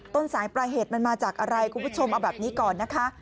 ต้นสายปลายเหตุมันมาจากอะไรคุณผู้ชมเอาแบบนี้ก่อนนะคะ